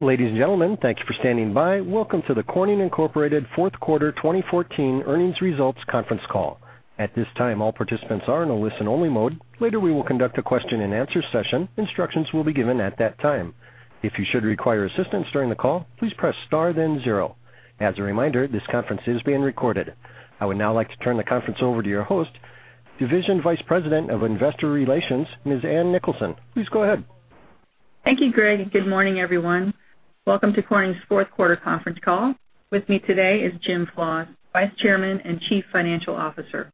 Ladies and gentlemen, thank you for standing by. Welcome to the Corning Incorporated fourth quarter 2014 earnings results conference call. At this time, all participants are in a listen-only mode. Later, we will conduct a question and answer session. Instructions will be given at that time. If you should require assistance during the call, please press star then zero. As a reminder, this conference is being recorded. I would now like to turn the conference over to your host, Division Vice President of Investor Relations, Ms. Ann Nicholson. Please go ahead. Thank you, Greg, and good morning, everyone. Welcome to Corning's fourth quarter conference call. With me today is Jim Flaws, Vice Chairman and Chief Financial Officer.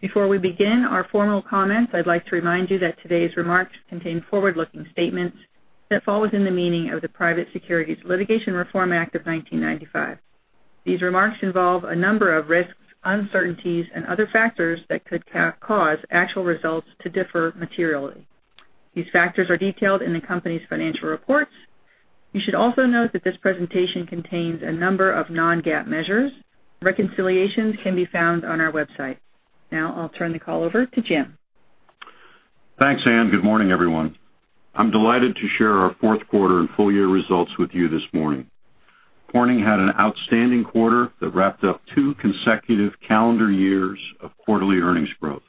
Before we begin our formal comments, I'd like to remind you that today's remarks contain forward-looking statements that fall within the meaning of the Private Securities Litigation Reform Act of 1995. These remarks involve a number of risks, uncertainties, and other factors that could cause actual results to differ materially. These factors are detailed in the company's financial reports. You should also note that this presentation contains a number of non-GAAP measures. Reconciliations can be found on our website. Now I'll turn the call over to Jim. Thanks, Ann. Good morning, everyone. I'm delighted to share our fourth quarter and full year results with you this morning. Corning had an outstanding quarter that wrapped up two consecutive calendar years of quarterly earnings growth.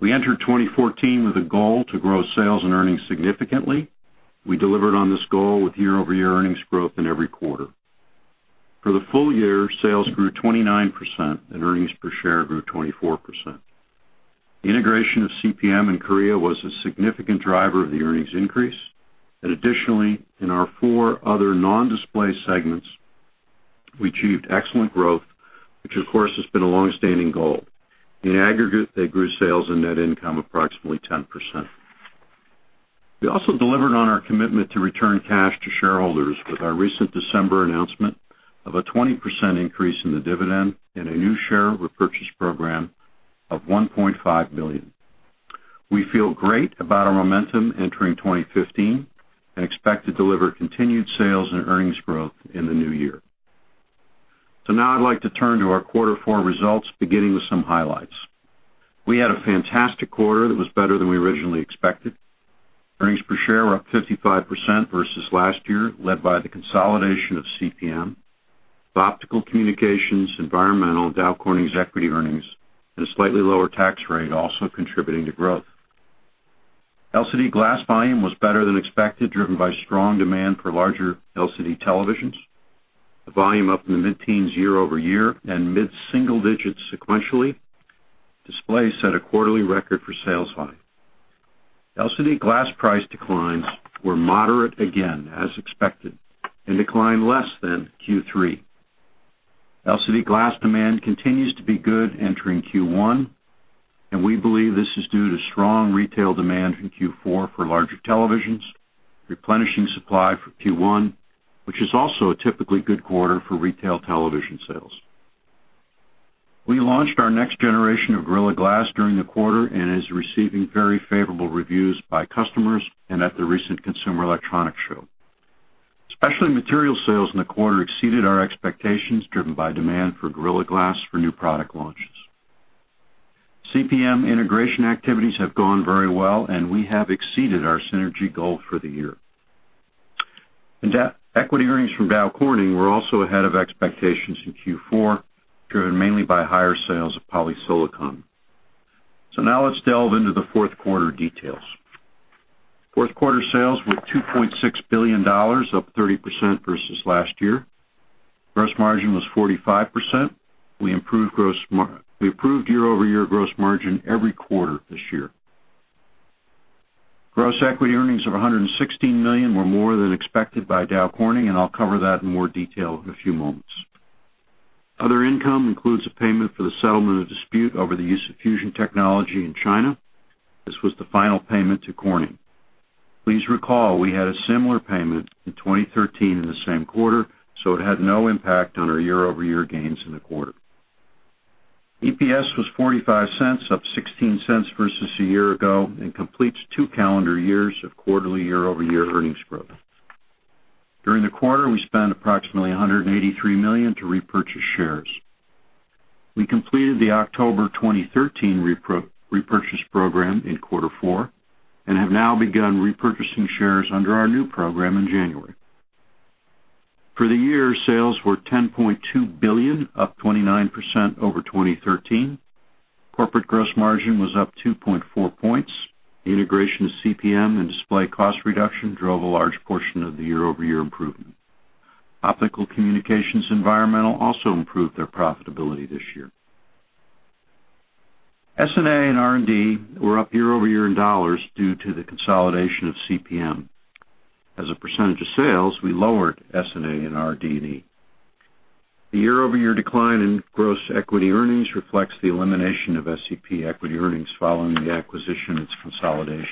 We entered 2014 with a goal to grow sales and earnings significantly. We delivered on this goal with year-over-year earnings growth in every quarter. For the full year, sales grew 29% and earnings per share grew 24%. The integration of CPM in Korea was a significant driver of the earnings increase. Additionally, in our four other non-display segments, we achieved excellent growth, which of course has been a longstanding goal. In aggregate, they grew sales and net income approximately 10%. We also delivered on our commitment to return cash to shareholders with our recent December announcement of a 20% increase in the dividend and a new share repurchase program of $1.5 billion. We feel great about our momentum entering 2015 and expect to deliver continued sales and earnings growth in the new year. Now I'd like to turn to our Quarter 4 results, beginning with some highlights. We had a fantastic quarter that was better than we originally expected. Earnings per share were up 55% versus last year, led by the consolidation of CPM. The Optical Communications, Environmental, Dow Corning's equity earnings, and a slightly lower tax rate also contributing to growth. LCD glass volume was better than expected, driven by strong demand for larger LCD televisions. The volume up in the mid-teens year-over-year and mid-single digits sequentially. Display set a quarterly record for sales volume. LCD glass price declines were moderate again, as expected, and declined less than Q3. LCD glass demand continues to be good entering Q1. We believe this is due to strong retail demand in Q4 for larger televisions, replenishing supply for Q1, which is also a typically good quarter for retail television sales. We launched our next generation of Corning Gorilla Glass during the quarter and is receiving very favorable reviews by customers and at the recent Consumer Electronics Show. Specialty Materials sales in the quarter exceeded our expectations, driven by demand for Corning Gorilla Glass for new product launches. CPM integration activities have gone very well. We have exceeded our synergy goal for the year. Equity earnings from Dow Corning were also ahead of expectations in Q4, driven mainly by higher sales of polysilicon. Now let's delve into the fourth quarter details. Fourth quarter sales were $2.6 billion, up 30% versus last year. Gross margin was 45%. We improved year-over-year gross margin every quarter this year. Gross equity earnings of $116 million were more than expected by Dow Corning. I'll cover that in more detail in a few moments. Other income includes a payment for the settlement of dispute over the use of fusion technology in China. This was the final payment to Corning. Please recall, we had a similar payment in 2013 in the same quarter. It had no impact on our year-over-year gains in the quarter. EPS was $0.45, up $0.16 versus a year ago, and completes two calendar years of quarterly year-over-year earnings growth. During the quarter, we spent approximately $183 million to repurchase shares. We completed the October 2013 repurchase program in Quarter 4 and have now begun repurchasing shares under our new program in January. For the year, sales were $10.2 billion, up 29% over 2013. Corporate gross margin was up 2.4 points. The integration of CPM and Display cost reduction drove a large portion of the year-over-year improvement. Optical Communications, Environmental also improved their profitability this year. S&A and R&D were up year-over-year in dollars due to the consolidation of CPM. As a percentage of sales, we lowered S&A and R&D. The year-over-year decline in gross equity earnings reflects the elimination of SCP equity earnings following the acquisition and its consolidation.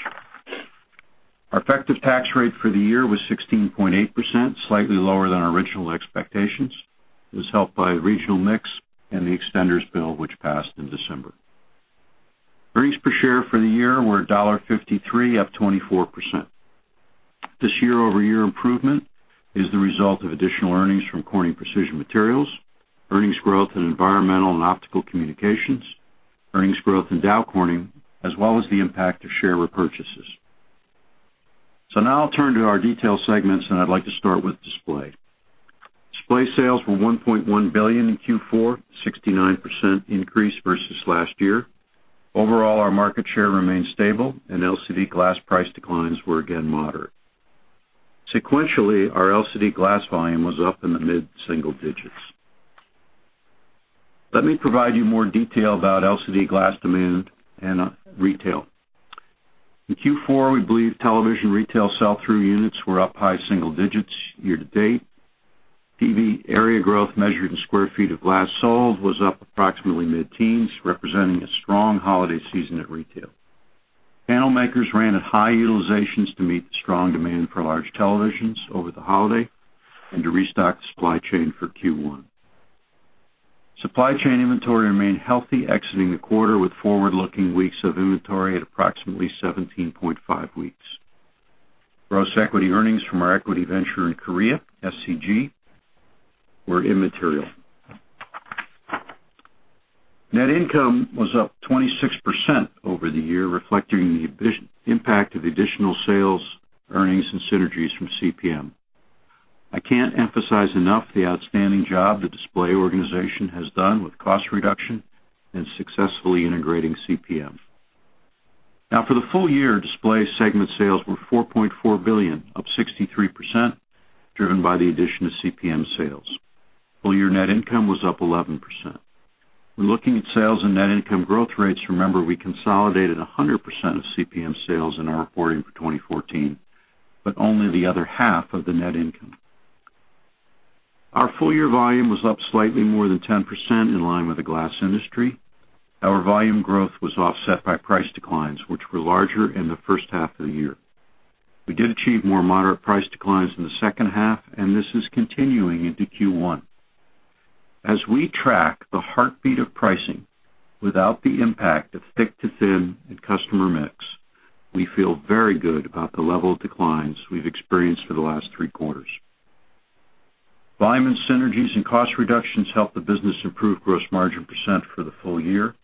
Our effective tax rate for the year was 16.8%, slightly lower than our original expectations. It was helped by regional mix and the extenders bill, which passed in December. Earnings per share for the year were $1.53, up 24%. This year-over-year improvement is the result of additional earnings from Corning Precision Materials, earnings growth in Environmental and Optical Communications Earnings growth in Dow Corning, as well as the impact of share repurchases. Now I'll turn to our detailed segments. I'd like to start with Display. Display sales were $1.1 billion in Q4, a 69% increase versus last year. Overall, our market share remained stable, and LCD glass price declines were again moderate. Sequentially, our LCD glass volume was up in the mid-single digits. Let me provide you more detail about LCD glass demand and retail. In Q4, we believe television retail sell-through units were up high single digits year to date. TV area growth measured in sq ft of glass sold was up approximately mid-teens, representing a strong holiday season at retail. Panel makers ran at high utilizations to meet the strong demand for large televisions over the holiday and to restock the supply chain for Q1. Supply chain inventory remained healthy, exiting the quarter with forward-looking weeks of inventory at approximately 17.5 weeks. Gross equity earnings from our equity venture in Korea, SCG, were immaterial. Net income was up 26% over the year, reflecting the impact of additional sales, earnings, and synergies from CPM. I can't emphasize enough the outstanding job the Display organization has done with cost reduction and successfully integrating CPM. For the full year, Display segment sales were $4.4 billion, up 63%, driven by the addition of CPM sales. Full-year net income was up 11%. When looking at sales and net income growth rates, remember we consolidated 100% of CPM sales in our reporting for 2014, but only the other half of the net income. Our full-year volume was up slightly more than 10%, in line with the glass industry. Our volume growth was offset by price declines, which were larger in the first half of the year. We did achieve more moderate price declines in the second half, this is continuing into Q1. As we track the heartbeat of pricing without the impact of thick-to-thin and customer mix, we feel very good about the level of declines we've experienced for the last three quarters. Volume and synergies and cost reductions helped the business improve gross margin % for the full year.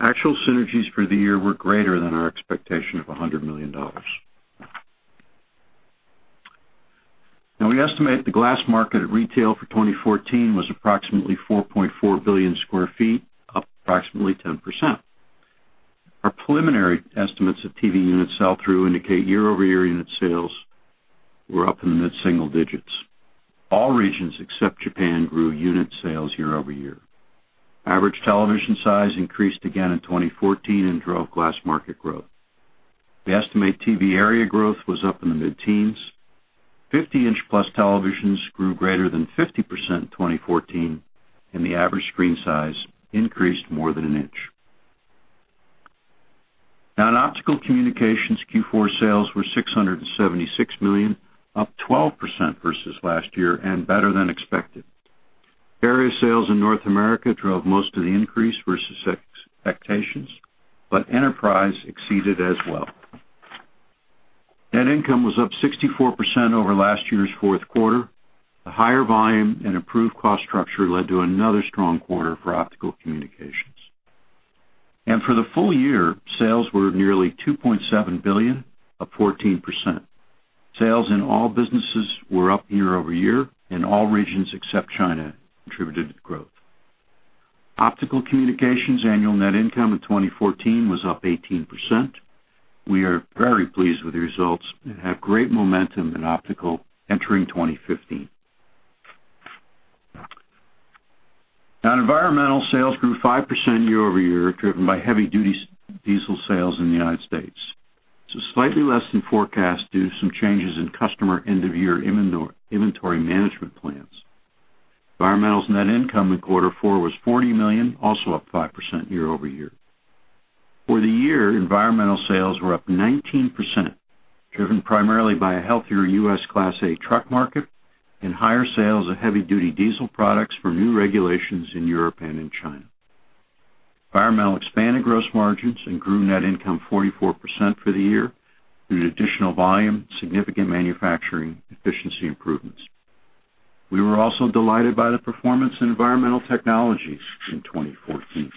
Actual synergies for the year were greater than our expectation of $100 million. We estimate the glass market at retail for 2014 was approximately 4.4 billion square feet, up approximately 10%. Our preliminary estimates of TV unit sell-through indicate year-over-year unit sales were up in the mid-single digits. All regions except Japan grew unit sales year-over-year. Average television size increased again in 2014 and drove glass market growth. We estimate TV area growth was up in the mid-teens. 50-inch-plus televisions grew greater than 50% in 2014, the average screen size increased more than an inch. In Optical Communications, Q4 sales were $676 million, up 12% versus last year and better than expected. Area sales in North America drove most of the increase versus expectations, but enterprise exceeded as well. Net income was up 64% over last year's fourth quarter. The higher volume and improved cost structure led to another strong quarter for Optical Communications. For the full year, sales were nearly $2.7 billion, up 14%. Sales in all businesses were up year-over-year, all regions except China contributed to the growth. Optical Communications annual net income in 2014 was up 18%. We are very pleased with the results and have great momentum in Optical entering 2015. In Environmental, sales grew 5% year-over-year, driven by heavy-duty diesel sales in the United States. This is slightly less than forecast due to some changes in customer end-of-year inventory management plans. Environmental's net income in quarter four was $40 million, also up 5% year-over-year. For the year, Environmental sales were up 19%, driven primarily by a healthier U.S. Class 8 truck market and higher sales of heavy-duty diesel products for new regulations in Europe and in China. Environmental expanded gross margins and grew net income 44% for the year through additional volume and significant manufacturing efficiency improvements. We were also delighted by the performance in Environmental Technologies in 2014.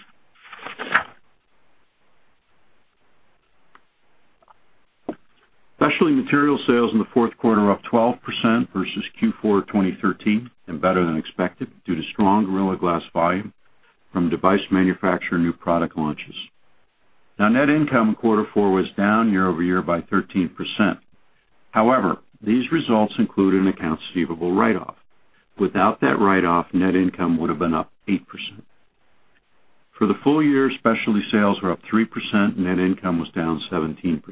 Specialty Materials sales in the fourth quarter were up 12% versus Q4 2013 and better than expected due to strong Corning Gorilla Glass volume from device manufacturer new product launches. Net income in quarter four was down year-over-year by 13%. However, these results include an accounts receivable write-off. Without that write-off, net income would have been up 8%. For the full year, Specialty sales were up 3%, net income was down 17%.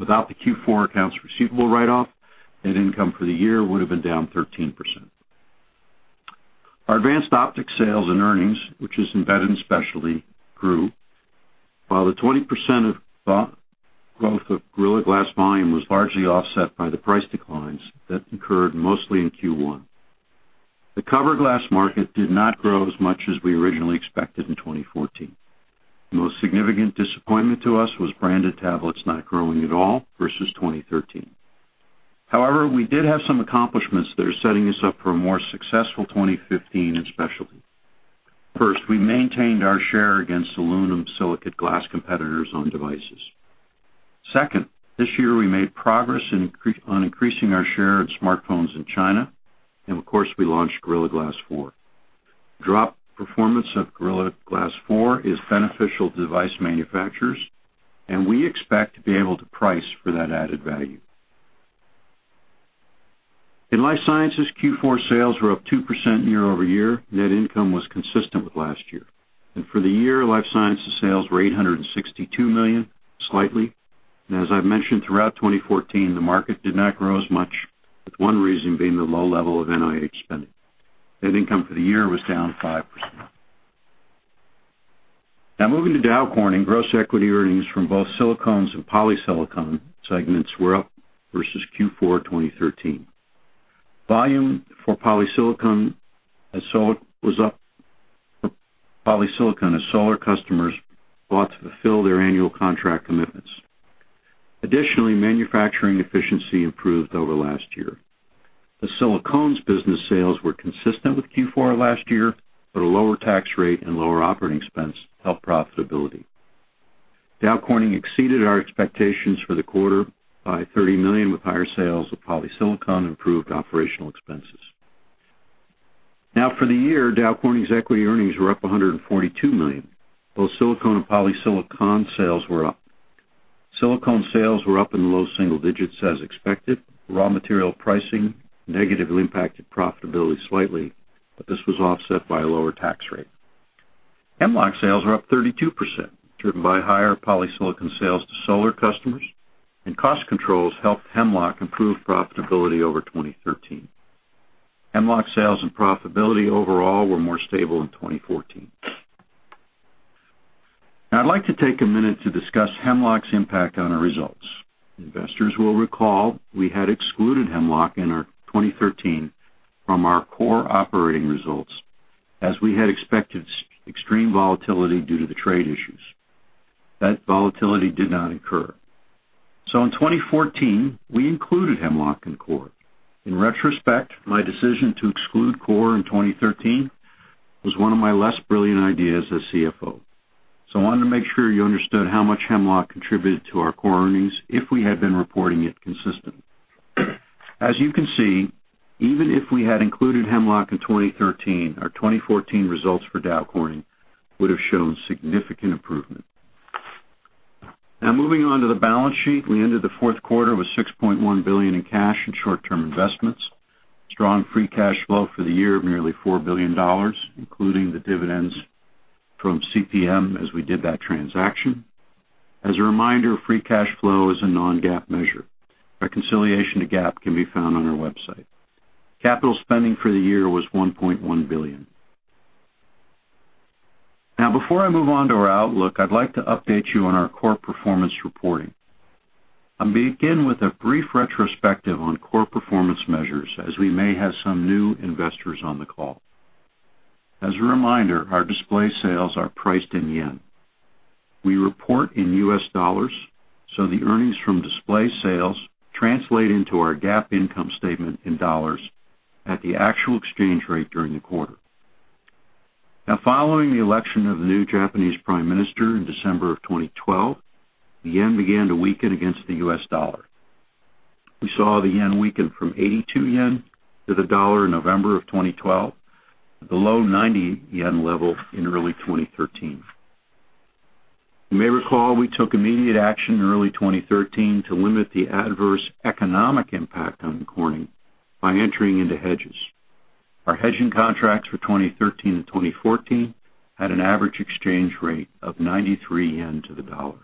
Without the Q4 accounts receivable write-off, net income for the year would have been down 13%. Our Advanced Optics sales and earnings, which is embedded in Specialty, grew. The 20% of growth of Gorilla Glass volume was largely offset by the price declines that occurred mostly in Q1. The cover glass market did not grow as much as we originally expected in 2014. The most significant disappointment to us was branded tablets not growing at all versus 2013. We did have some accomplishments that are setting us up for a more successful 2015 in Specialty. First, we maintained our share against aluminosilicate glass competitors on devices. Second, this year we made progress on increasing our share of smartphones in China. Of course, we launched Gorilla Glass 4. Drop performance of Gorilla Glass 4 is beneficial to device manufacturers, and we expect to be able to price for that added value. In Life Sciences, Q4 sales were up 2% year-over-year. Net income was consistent with last year. For the year, Life Sciences sales were $862 million, slightly. As I've mentioned throughout 2014, the market did not grow as much, with one reason being the low level of NIH spending. Net income for the year was down 5%. Moving to Dow Corning, gross equity earnings from both silicones and polysilicon segments were up versus Q4 2013. Volume for polysilicon was up for polysilicon as solar customers bought to fulfill their annual contract commitments. Additionally, manufacturing efficiency improved over last year. The silicones business sales were consistent with Q4 of last year. A lower tax rate and lower operating expense helped profitability. Dow Corning exceeded our expectations for the quarter by $30 million, with higher sales of polysilicon and improved operational expenses. For the year, Dow Corning's equity earnings were up $142 million. Both silicone and polysilicon sales were up. Silicone sales were up in the low single digits as expected. Raw material pricing negatively impacted profitability slightly, but this was offset by a lower tax rate. Hemlock sales were up 32%, driven by higher polysilicon sales to solar customers, and cost controls helped Hemlock improve profitability over 2013. Hemlock sales and profitability overall were more stable in 2014. I'd like to take a minute to discuss Hemlock's impact on our results. Investors will recall we had excluded Hemlock in our 2013 from our core operating results as we had expected extreme volatility due to the trade issues. That volatility did not occur. In 2014, we included Hemlock in core. In retrospect, my decision to exclude core in 2013 was one of my less brilliant ideas as CFO. I wanted to make sure you understood how much Hemlock contributed to our core earnings if we had been reporting it consistently. As you can see, even if we had included Hemlock in 2013, our 2014 results for Dow Corning would have shown significant improvement. Moving on to the balance sheet. We ended the fourth quarter with $6.1 billion in cash and short-term investments. Strong free cash flow for the year of nearly $4 billion, including the dividends from CPM as we did that transaction. As a reminder, free cash flow is a non-GAAP measure. Reconciliation to GAAP can be found on our website. Capital spending for the year was $1.1 billion. Now before I move on to our outlook, I'd like to update you on our core performance reporting. I'll begin with a brief retrospective on core performance measures, as we may have some new investors on the call. As a reminder, our Display Technologies sales are priced in yen. We report in US dollars, so the earnings from Display Technologies sales translate into our GAAP income statement in dollars at the actual exchange rate during the quarter. Now, following the election of the new Japanese Prime Minister in December of 2012, the yen began to weaken against the US dollar. We saw the yen weaken from 82 yen to the dollar in November of 2012 to below 90 yen level in early 2013. You may recall we took immediate action in early 2013 to limit the adverse economic impact on Corning Incorporated by entering into hedges. Our hedging contracts for 2013 and 2014 had an average exchange rate of 93 yen to the dollar.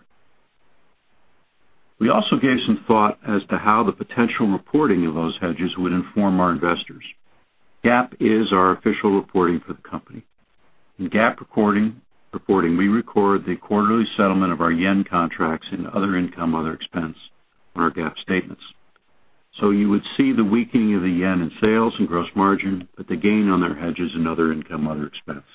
We also gave some thought as to how the potential reporting of those hedges would inform our investors. GAAP is our official reporting for the company. In GAAP reporting, we record the quarterly settlement of our yen contracts in other income, other expense on our GAAP statements. You would see the weakening of the yen in sales and gross margin, but the gain on their hedges and other income, other expense.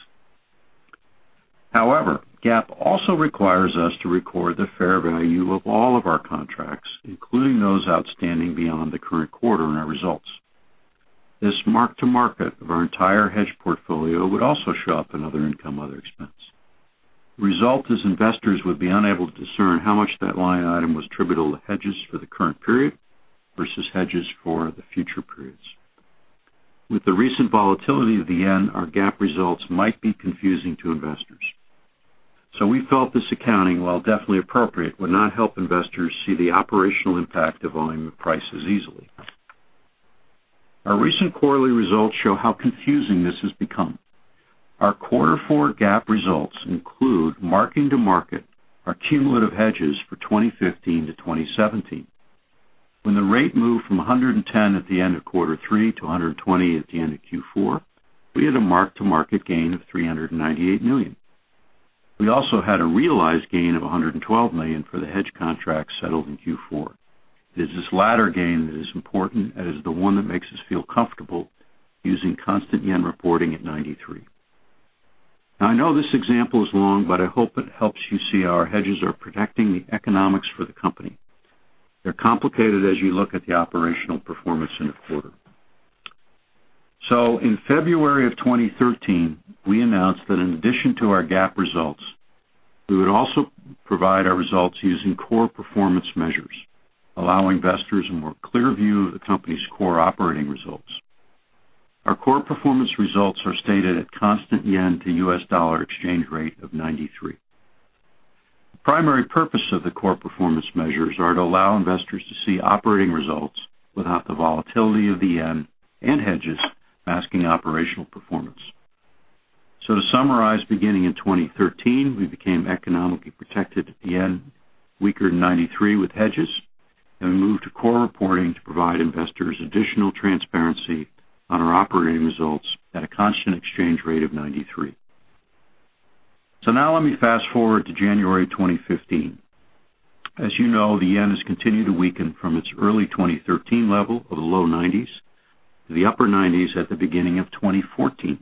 However, GAAP also requires us to record the fair value of all of our contracts, including those outstanding beyond the current quarter in our results. This mark-to-market of our entire hedge portfolio would also show up in other income, other expense. The result is investors would be unable to discern how much that line item was attributable to hedges for the current period versus hedges for the future periods. With the recent volatility of the yen, our GAAP results might be confusing to investors. We felt this accounting, while definitely appropriate, would not help investors see the operational impact of volume to prices easily. Our recent quarterly results show how confusing this has become. Our quarter four GAAP results include marking-to-market our cumulative hedges for 2015 to 2017. When the rate moved from 110 at the end of quarter three to 120 at the end of Q4, we had a mark-to-market gain of $398 million. We also had a realized gain of $112 million for the hedge contracts settled in Q4. It is this latter gain that is important, as it is the one that makes us feel comfortable using constant yen reporting at 93. Now I know this example is long, but I hope it helps you see our hedges are protecting the economics for the company. They're complicated as you look at the operational performance in a quarter. In February of 2013, we announced that in addition to our GAAP results, we would also provide our results using core performance measures, allow investors a more clear view of the company's core operating results. Our core performance results are stated at constant yen to US dollar exchange rate of 93. The primary purpose of the core performance measures are to allow investors to see operating results without the volatility of the yen and hedges masking operational performance. To summarize, beginning in 2013, we became economically protected at the JPY weaker than 93 with hedges, and we moved to core reporting to provide investors additional transparency on our operating results at a constant exchange rate of 93 JPY. Let me fast-forward to January 2015. As you know, the JPY has continued to weaken from its early 2013 level of the low 90s JPY to the upper 90s JPY at the beginning of 2014.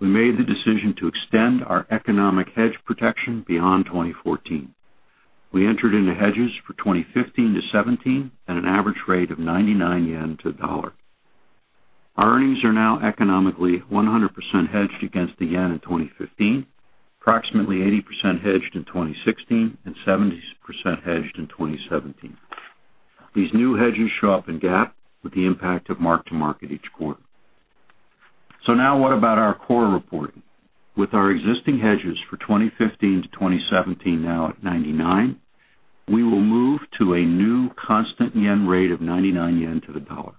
We made the decision to extend our economic hedge protection beyond 2014. We entered into hedges for 2015 to 2017 at an average rate of 99 yen to the dollar. Our earnings are now economically 100% hedged against the JPY in 2015, approximately 80% hedged in 2016, and 70% hedged in 2017. These new hedges show up in GAAP with the impact of mark-to-market each quarter. What about our core reporting? With our existing hedges for 2015 to 2017 now at 99 JPY, we will move to a new constant JPY rate of 99 yen to the dollar.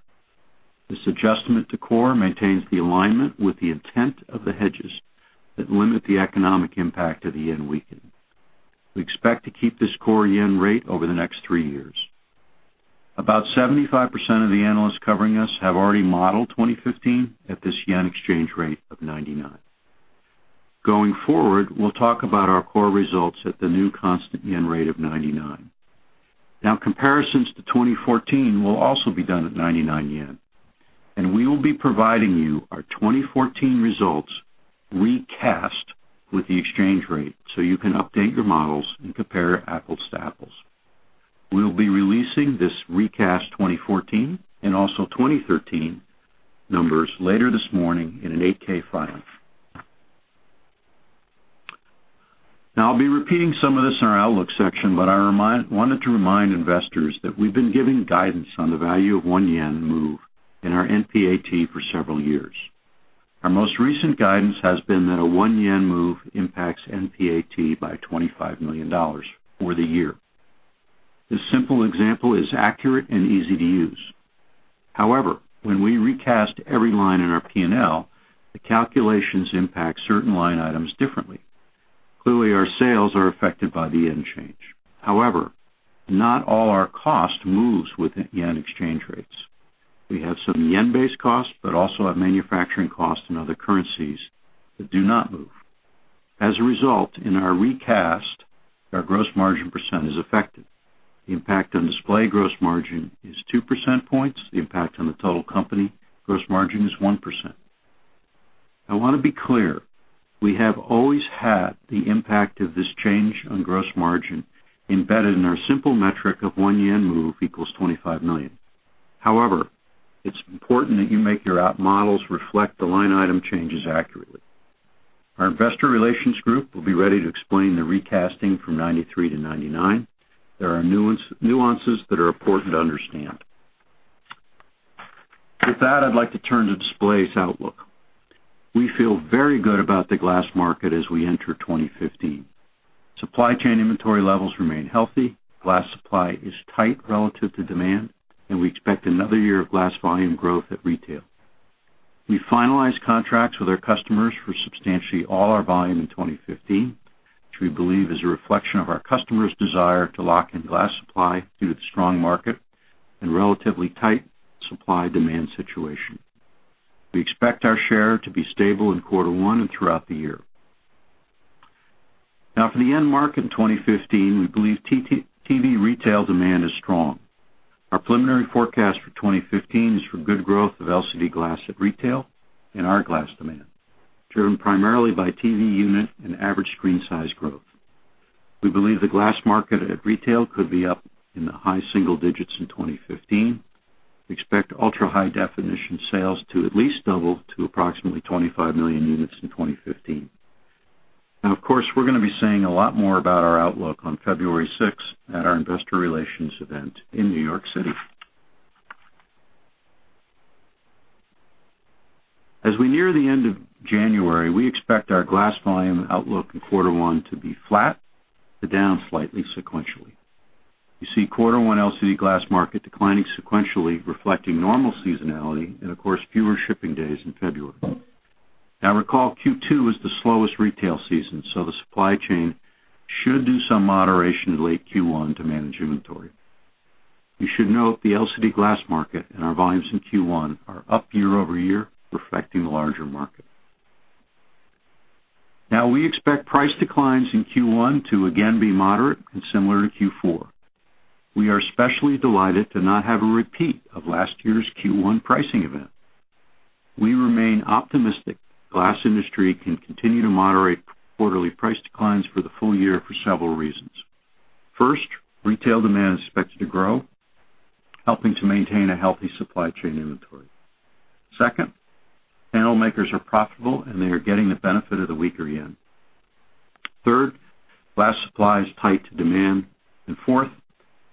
This adjustment to core maintains the alignment with the intent of the hedges that limit the economic impact of the JPY weakening. We expect to keep this core JPY rate over the next three years. About 75% of the analysts covering us have already modeled 2015 at this JPY exchange rate of 99. Going forward, we'll talk about our core results at the new constant JPY rate of 99. Comparisons to 2014 will also be done at 99 yen, and we will be providing you our 2014 results recast with the exchange rate so you can update your models and compare apples to apples. We'll be releasing this recast 2014 and also 2013 numbers later this morning in an 8-K filing. I'll be repeating some of this in our outlook section, but I wanted to remind investors that we've been giving guidance on the value of one JPY move in our NPAT for several years. Our most recent guidance has been that a one JPY move impacts NPAT by $25 million for the year. This simple example is accurate and easy to use. However, when we recast every line in our P&L, the calculations impact certain line items differently. Clearly, our sales are affected by the JPY change. However, not all our cost moves with the JPY exchange rates. We have some JPY-based costs, but also have manufacturing costs in other currencies that do not move. As a result, in our recast, our gross margin % is affected. The impact on display gross margin is 2 percentage points. The impact on the total company gross margin is 1%. I want to be clear, we have always had the impact of this change on gross margin embedded in our simple metric of one JPY move equals $25 million. However, it's important that you make your models reflect the line item changes accurately. Our investor relations group will be ready to explain the recasting from 93 JPY to 99 JPY. There are nuances that are important to understand. With that, I'd like to turn to displays outlook. We feel very good about the glass market as we enter 2015. Supply chain inventory levels remain healthy. Glass supply is tight relative to demand, and we expect another year of glass volume growth at retail. We finalized contracts with our customers for substantially all our volume in 2015, which we believe is a reflection of our customers' desire to lock in glass supply due to the strong market and relatively tight supply-demand situation. We expect our share to be stable in quarter one and throughout the year. For the end market in 2015, we believe TV retail demand is strong. Our preliminary forecast for 2015 is for good growth of LCD glass at retail and our glass demand, driven primarily by TV unit and average screen size growth. We believe the glass market at retail could be up in the high single digits in 2015. We expect ultra-high definition sales to at least double to approximately 25 million units in 2015. Of course, we're going to be saying a lot more about our outlook on February 6th at our investor relations event in New York City. As we near the end of January, we expect our glass volume outlook in quarter one to be flat to down slightly sequentially. Fourth,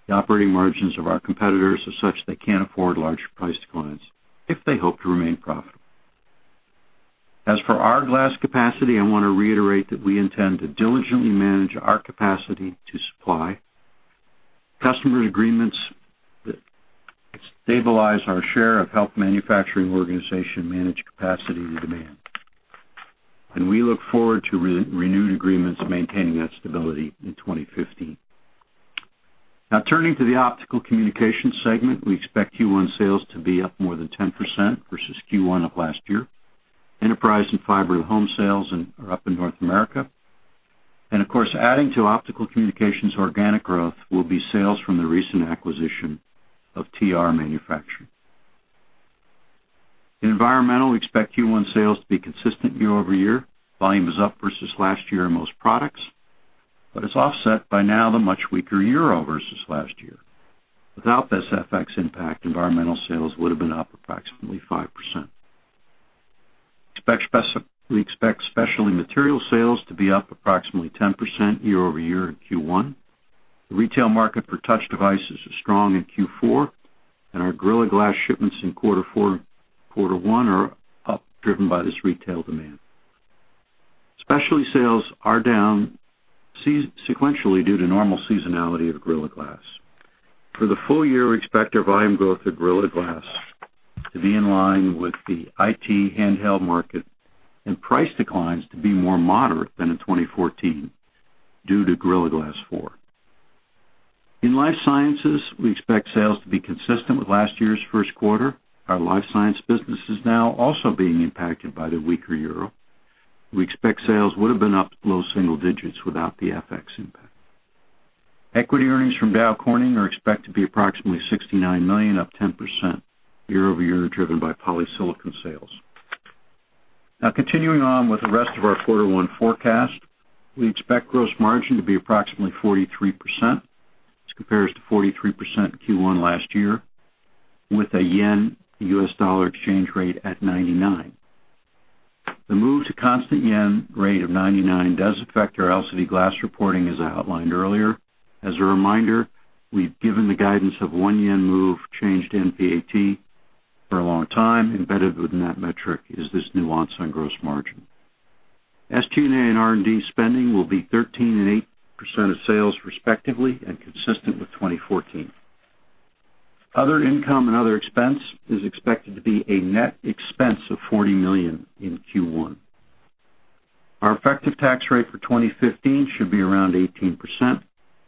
the operating margins of our competitors are such they can't afford large price declines if they hope to remain profitable. As for our glass capacity, I want to reiterate that we intend to diligently manage our capacity to supply. Customer agreements stabilize our share of health manufacturing organization managed capacity and demand. We look forward to renewed agreements maintaining that stability in 2015. Turning to the Optical Communications segment, we expect Q1 sales to be up more than 10% versus Q1 of last year. Enterprise and fiber home sales are up in North America. Of course, adding to Optical Communications organic growth will be sales from the recent acquisition of TR Manufacturing. In Environmental, we expect Q1 sales to be consistent year-over-year. Volume is up versus last year in most products, but it's offset by now the much weaker EUR versus last year. Without this FX impact, environmental sales would've been up approximately 5%. We expect Q1 sales to be up approximately 10% year-over-year in Q1. The retail market for touch devices is strong in Q4, and our Gorilla Glass shipments in quarter one are up, driven by this retail demand. Specialty sales are down sequentially due to normal seasonality of Gorilla Glass. For the full year, we expect our volume growth of Gorilla Glass year-over-year, driven by polysilicon sales. Continuing on with the rest of our Q1 forecast, we expect gross margin to be approximately 43%, which compares to 43% Q1 last year, with a JPY to USD exchange rate at 99. The move to constant yen rate of 99 does affect our LCD glass reporting, as I outlined earlier. As a reminder, we've given the guidance of one yen move changed NPAT for a long time. Embedded within that metric is this nuance on gross margin. SG&A and R&D spending will be 13% and 8% of sales, respectively and consistent with 2014. Other income and other expense is expected to be a net expense of $40 million in Q1. Our effective tax rate for 2015 should be around 18%.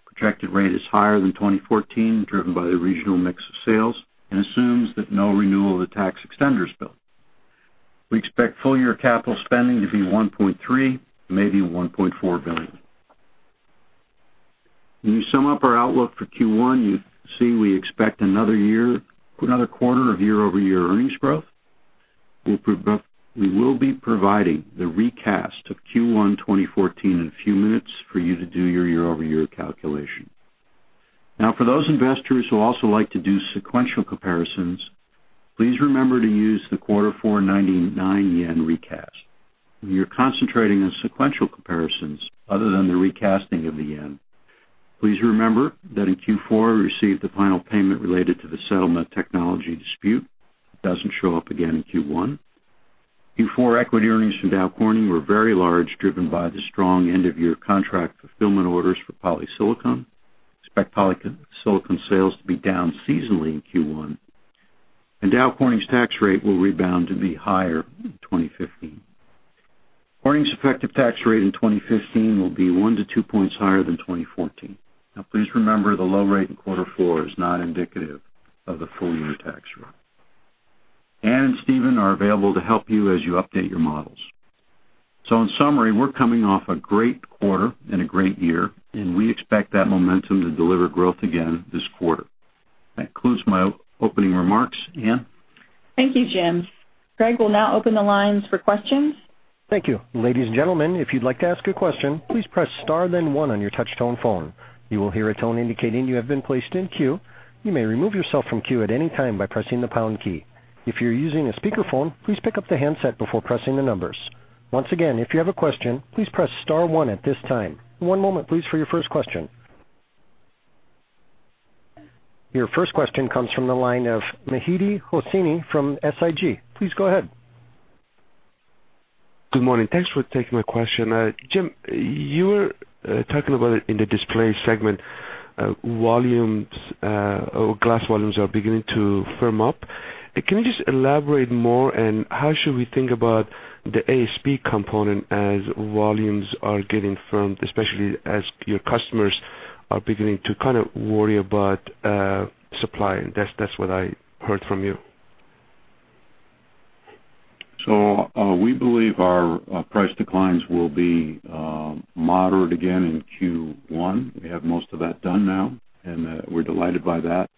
Projected rate is higher than 2014, driven by the regional mix of sales, and assumes that no renewal of the tax extenders bill. We expect full year capital spending to be $1.3, maybe $1.4 billion. When you sum up our outlook for Q1, you see we expect another quarter of year-over-year earnings growth. We will be providing the recast of Q1 2014 in a few minutes for you to do your year-over-year calculation. For those investors who also like to do sequential comparisons, please remember to use the Q4 99 yen recast. When you're concentrating on sequential comparisons, other than the recasting of the yen, please remember that in Q4, we received the final payment related to the settlement technology dispute. It doesn't show up again in Q1. Q4 equity earnings from Dow Corning were very large, driven by the strong end-of-year contract fulfillment orders for polysilicon. Expect polysilicon sales to be down seasonally in Q1. Dow Corning's tax rate will rebound to be higher in 2015. Corning's effective tax rate in 2015 will be one to two points higher than 2014. Please remember, the low rate in Q4 is not indicative of the full-year tax rate. Ann and Steven are available to help you as you update your models. In summary, we're coming off a great quarter and a great year, and we expect that momentum to deliver growth again this quarter. That concludes my opening remarks. Ann? Thank you, Jim. Greg will now open the lines for questions. Thank you. Ladies and gentlemen, if you'd like to ask a question, please press star then one on your touch tone phone. You will hear a tone indicating you have been placed in queue. You may remove yourself from queue at any time by pressing the pound key. If you're using a speakerphone, please pick up the handset before pressing the numbers. Once again, if you have a question, please press star one at this time. One moment, please, for your first question. Your first question comes from the line of Mehdi Hosseini from SIG. Please go ahead. Good morning. Thanks for taking my question. Jim, you were talking about in the Display segment, glass volumes are beginning to firm up. Can you just elaborate more? How should we think about the ASP component as volumes are getting firmed, especially as your customers are beginning to worry about supply? That's what I heard from you. We believe our price declines will be moderate again in Q1. We have most of that done now. We're delighted by that.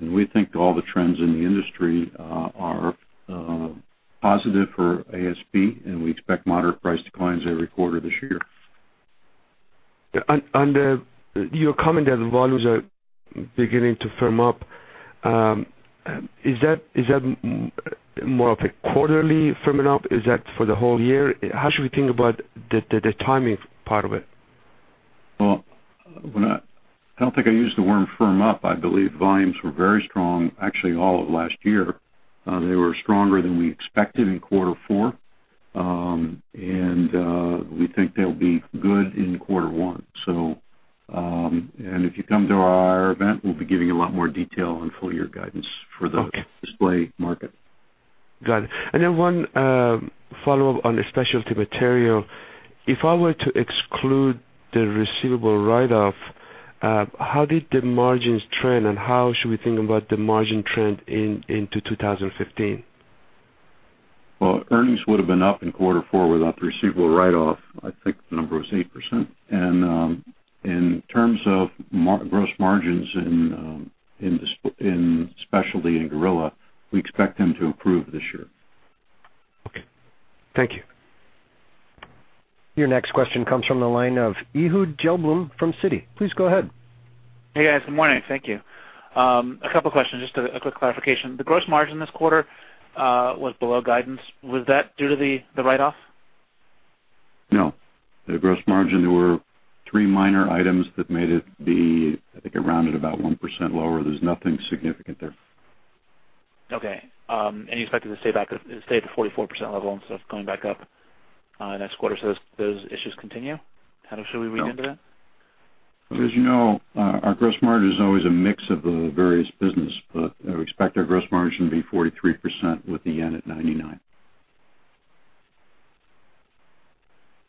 We think all the trends in the industry are positive for ASP. We expect moderate price declines every quarter this year. On your comment that the volumes are beginning to firm up, is that more of a quarterly firming up? Is that for the whole year? How should we think about the timing part of it? Well, I don't think I used the word firm up. I believe volumes were very strong, actually all of last year. They were stronger than we expected in quarter four. We think they'll be good in quarter one. If you come to our event, we'll be giving a lot more detail on full year guidance for the- Okay display market. Got it. Then one follow-up on the specialty material. If I were to exclude the receivable write-off, how did the margins trend and how should we think about the margin trend into 2015? Well, earnings would've been up in quarter four without the receivable write-off. I think the number was 8%. In terms of gross margins in specialty and Gorilla, we expect them to improve this year. Okay. Thank you. Your next question comes from the line of Ehud Gelblum from Citi. Please go ahead. Hey, guys. Good morning. Thank you. A couple questions, just a quick clarification. The gross margin this quarter was below guidance. Was that due to the write-off? No. The gross margin, there were three minor items that made it be, I think it rounded about 1% lower. There's nothing significant there. Okay. You expect it to stay at the 44% level instead of going back up next quarter. Those issues continue? How should we read into that? Well, as you know, our gross margin is always a mix of the various business, we expect our gross margin to be 43% with the JPY at 99.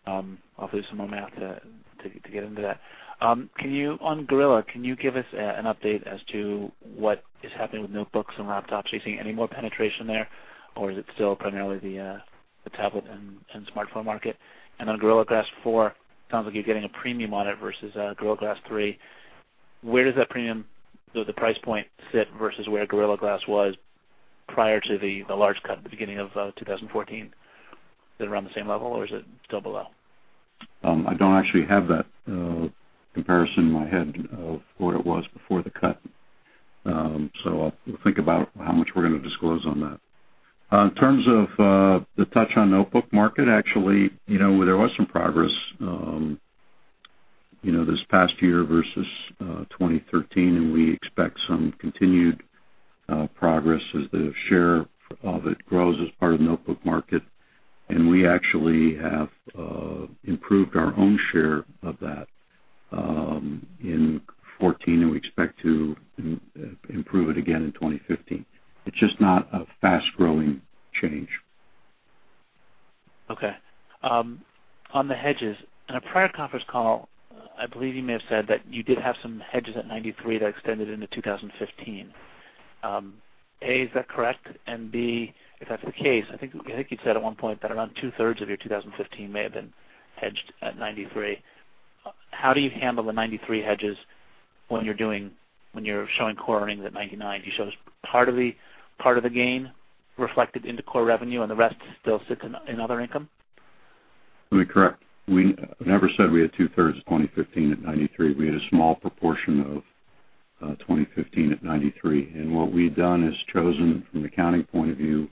I'll do some more math to get into that. On Gorilla, can you give us an update as to what is happening with notebooks and laptops? Are you seeing any more penetration there, or is it still primarily the tablet and smartphone market? On Gorilla Glass 4, sounds like you're getting a premium on it versus Gorilla Glass 3. Where does the price point sit versus where Gorilla Glass was prior to the large cut at the beginning of 2014? Is it around the same level or is it still below? I don't actually have that comparison in my head of what it was before the cut. I'll think about how much we're going to disclose on that. In terms of the touch on notebook market, actually, there was some progress this past year versus 2013, we expect some continued progress as the share of it grows as part of the notebook market. We actually have improved our own share of that in 2014, we expect to improve it again in 2015. It's just not a fast-growing change. Okay. On the hedges, in a prior conference call, I believe you may have said that you did have some hedges at 93 that extended into 2015. A, is that correct? B, if that's the case, I think you said at one point that around two-thirds of your 2015 may have been hedged at 93. How do you handle the 93 hedges when you're showing core earnings at 99? Do you show us part of the gain reflected into core revenue and the rest still sits in other income? Let me correct. We never said we had two-thirds of 2015 at 93. We had a small proportion of 2015 at 93. What we've done is chosen, from an accounting point of view,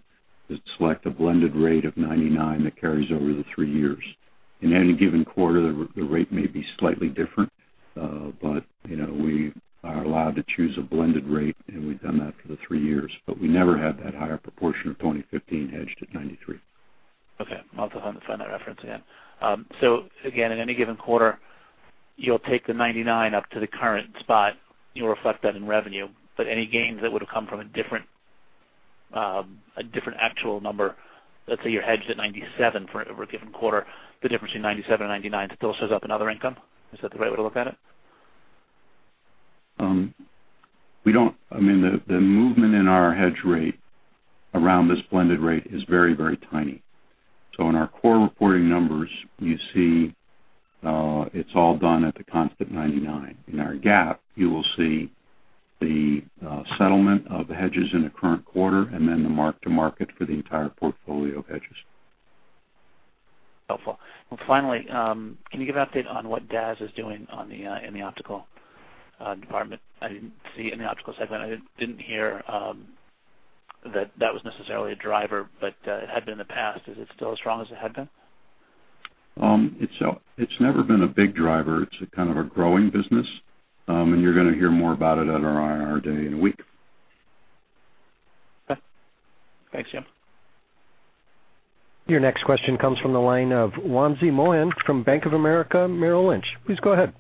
is to select a blended rate of 99 that carries over the three years. In any given quarter, the rate may be slightly different. We are allowed to choose a blended rate, and we've done that for the three years. We never had that higher proportion of 2015 hedged at 93. Okay. I'll have to find that reference again. Again, in any given quarter, you'll take the 99 up to the current spot, you'll reflect that in revenue, but any gains that would've come from a different actual number, let's say you're hedged at 97 for a given quarter, the difference between 97 and 99 still shows up in other income. Is that the right way to look at it? The movement in our hedge rate around this blended rate is very tiny. In our core reporting numbers, you see it's all done at the constant 99. In our GAAP, you will see the settlement of the hedges in the current quarter, and then the mark-to-market for the entire portfolio of hedges. Helpful. Well, finally, can you give an update on what DAS is doing in the optical department? I didn't see any optical segment. I didn't hear that that was necessarily a driver, but it had been in the past. Is it still as strong as it had been? It's never been a big driver. It's kind of a growing business. You're going to hear more about it at our IR day in a week. Okay. Thanks, Jim. Your next question comes from the line of Wamsi Mohan from Bank of America Merrill Lynch. Please go ahead.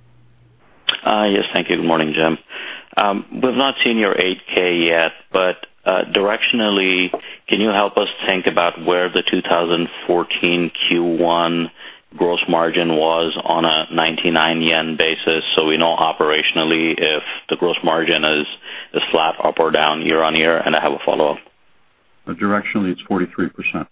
Yes, thank you. Good morning, Jim. We've not seen your 8-K yet, but directionally, can you help us think about where the 2014 Q1 Gross margin was on a 99 yen basis, so we know operationally if the gross margin is flat, up or down year-on-year. I have a follow-up. Directionally, it's 43%.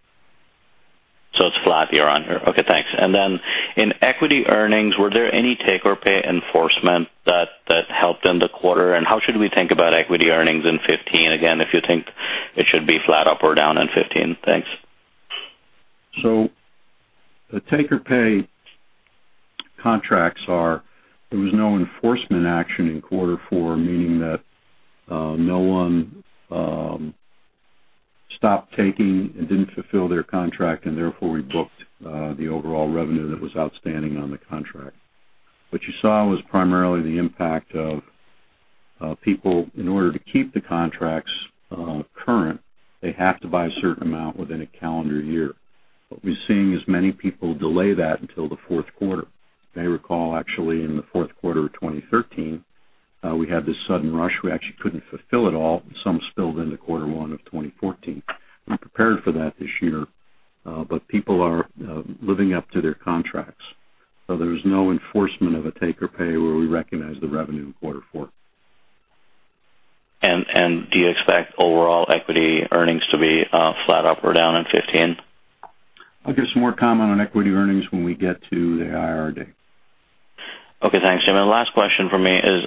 It's flat year-on-year. Okay, thanks. Then in equity earnings, were there any take or pay enforcement that helped in the quarter? How should we think about equity earnings in 2015? Again, if you think it should be flat, up or down in 2015. Thanks. The take or pay contracts are, there was no enforcement action in quarter four, meaning that no one stopped taking and didn't fulfill their contract, and therefore we booked the overall revenue that was outstanding on the contract. What you saw was primarily the impact of people, in order to keep the contracts current, they have to buy a certain amount within a calendar year. What we're seeing is many people delay that until the fourth quarter. You may recall, actually, in the fourth quarter of 2013, we had this sudden rush. We actually couldn't fulfill it all. Some spilled into quarter one of 2014. We prepared for that this year, but people are living up to their contracts. There's no enforcement of a take or pay where we recognize the revenue in quarter four. Do you expect overall equity earnings to be flat, up or down in 2015? I'll give some more comment on equity earnings when we get to the IR day. Okay. Thanks, Jim. Last question for me is,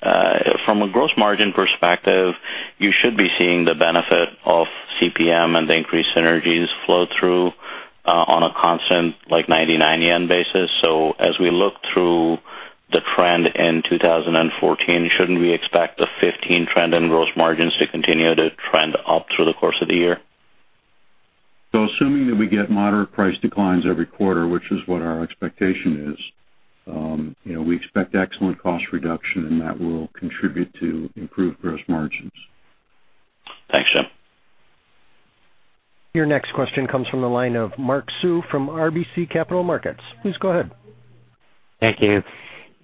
from a gross margin perspective, you should be seeing the benefit of CPM and the increased synergies flow through on a constant, like 99 yen basis. As we look through the trend in 2014, shouldn't we expect the 2015 trend in gross margins to continue to trend up through the course of the year? Assuming that we get moderate price declines every quarter, which is what our expectation is, we expect excellent cost reduction, and that will contribute to improved gross margins. Thanks, Jim. Your next question comes from the line of Mark Sue from RBC Capital Markets. Please go ahead. Thank you.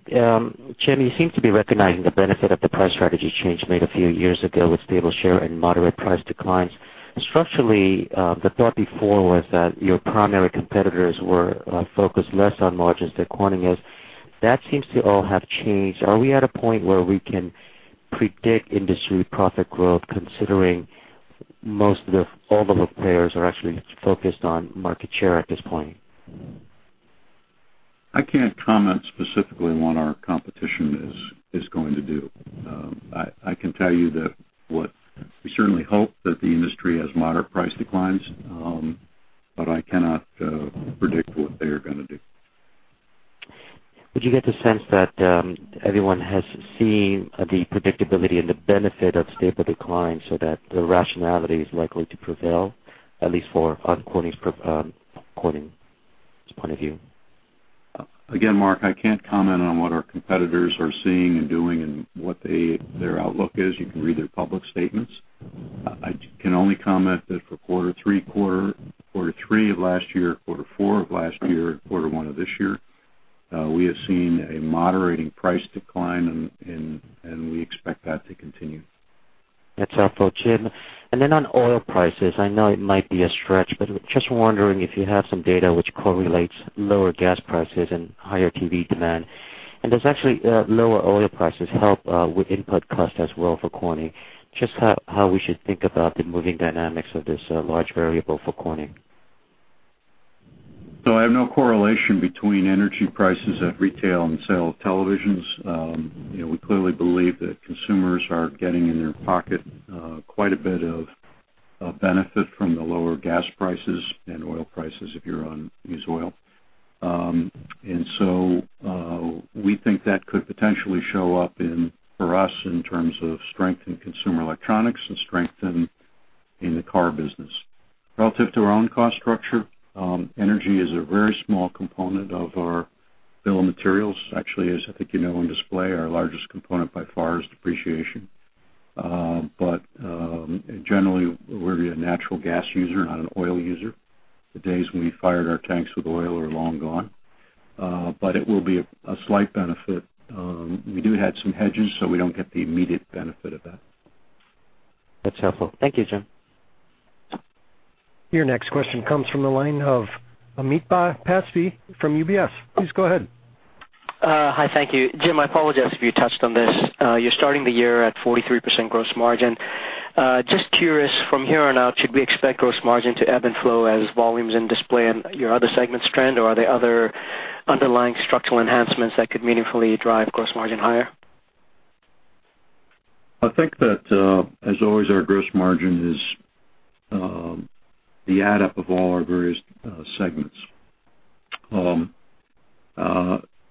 Jim, you seem to be recognizing the benefit of the price strategy change made a few years ago with stable share and moderate price declines. Structurally, the thought before was that your primary competitors were focused less on margins than Corning is. That seems to all have changed. Are we at a point where we can predict industry profit growth, considering all the players are actually focused on market share at this point? I can't comment specifically on what our competition is going to do. I can tell you that what we certainly hope that the industry has moderate price declines, but I cannot predict what they are going to do. Would you get the sense that everyone has seen the predictability and the benefit of stable decline so that the rationality is likely to prevail, at least from Corning's point of view? Mark, I can't comment on what our competitors are seeing and doing and what their outlook is. You can read their public statements. I can only comment that for quarter three of last year, quarter four of last year, and quarter one of this year, we have seen a moderating price decline, and we expect that to continue. That's helpful, Jim. Then on oil prices, I know it might be a stretch, but just wondering if you have some data which correlates lower gas prices and higher TV demand. Does actually lower oil prices help with input cost as well for Corning? Just how we should think about the moving dynamics of this large variable for Corning. I have no correlation between energy prices at retail and sale of televisions. We clearly believe that consumers are getting, in their pocket, quite a bit of benefit from the lower gas prices and oil prices if you use oil. We think that could potentially show up for us in terms of strength in consumer electronics and strength in the car business. Relative to our own cost structure, energy is a very small component of our bill of materials. Actually, as I think you know, in display, our largest component by far is depreciation. Generally, we're a natural gas user, not an oil user. The days when we fired our tanks with oil are long gone. It will be a slight benefit. We do have some hedges, so we don't get the immediate benefit of that. That's helpful. Thank you, Jim. Your next question comes from the line of Amitabh Passi from UBS. Please go ahead. Hi. Thank you. Jim, I apologize if you touched on this. You're starting the year at 43% gross margin. Just curious, from here on out, should we expect gross margin to ebb and flow as volumes in Display and your other segments trend, or are there other underlying structural enhancements that could meaningfully drive gross margin higher? I think that, as always, our gross margin is the add up of all our various segments.